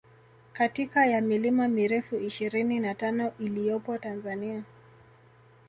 katika ya milima mirefu ishirini na tano iliyopo Tanzania